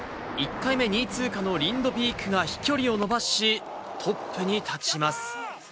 １回目２位通過のリンドビークが飛距離を伸ばし、トップに立ちます。